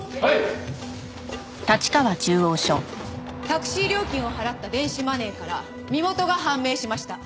タクシー料金を払った電子マネーから身元が判明しました。